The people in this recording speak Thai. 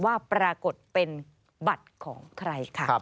ว่าปรากฏเป็นบัตรของใครค่ะ